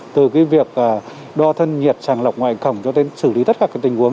từ cái việc đo thân nhiệt tràng lọc ngoại khẩu cho đến xử lý tất cả các tình huống